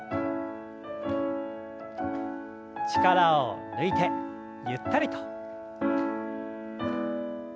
力を抜いてゆったりと。